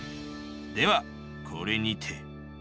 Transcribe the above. ではこれにて。